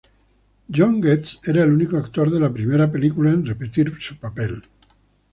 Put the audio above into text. John Getz era el único actor de la primera película en repetir su papel.